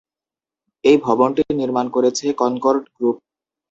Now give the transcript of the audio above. এই ভবনটি নির্মাণ করেছে কনকর্ড গ্রুপ।